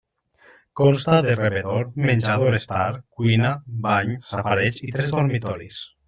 Consta de rebedor, menjador-estar, cuina, bany, safareig i tres dormitoris.